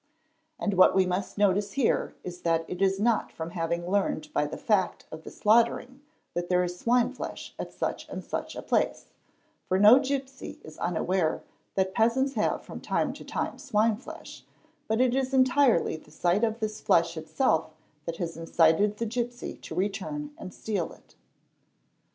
And what we must notice here is that it is not from having learned by the fact of the slaughtering that there is _ swine flesh at such and such a place, for no gipsy is unaware that ' peasants have from time to time swine flesh, but it is entirely the sight _ of this flesh itself that has incited the gipsy to return and steal it.